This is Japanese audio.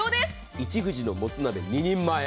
一藤のもつ鍋２人前。